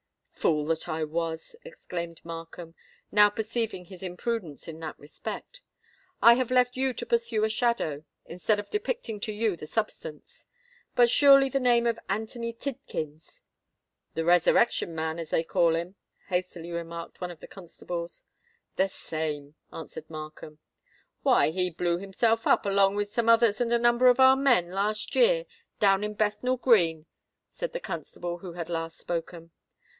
"Fool that I was!" exclaimed Markham, now perceiving his imprudence in that respect: "I have left you to pursue a shadow, instead of depicting to you the substance. But surely the name of Anthony Tidkins——" "The Resurrection Man, as they call him," hastily remarked one of the constables. "The same," answered Markham. "Why—he blew himself up, along with some others and a number of our men, last year, down in Bethnal Green," said the constable who had last spoken.